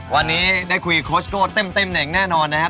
วันนี้ได้คุยโค้ชโก้เต็มเน่งแน่นอนนะครับ